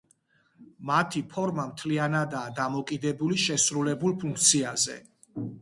მათი ფორმა მთლიანადაა დამოკიდებული შესრულებულ ფუნქციაზე.